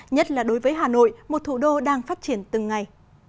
nhất là đối với hà nội một thủ đô đang phát triển từng ngày